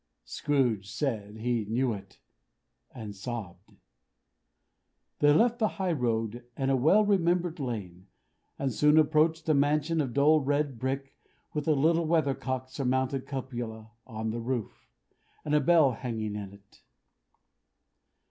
Scrooge said he knew it. And he sobbed. They left the high road, by a well remembered lane, and soon approached a mansion of dull red brick, with a little weathercock surmounted cupola, on the roof, and a bell hanging in it.